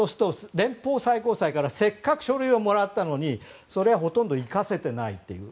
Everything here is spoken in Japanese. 連邦最高裁からせっかく書類をもらったのにそれをほとんど生かせてないという。